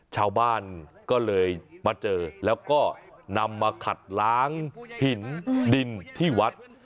ชาวบ้านก็เลยมาเจอแล้วก็นำมาขัดล้างหินดินที่วัด